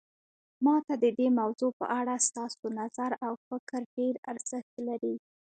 ما ته د دې موضوع په اړه ستاسو نظر او فکر ډیر ارزښت لري